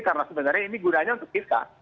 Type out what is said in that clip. karena sebenarnya ini gunanya untuk kita